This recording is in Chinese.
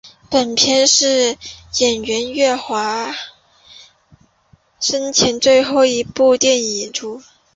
本片是演员岳华生前的最后一部电影演出。